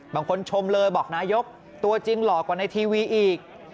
ชมเลยบอกนายกตัวจริงหล่อกว่าในทีวีอีก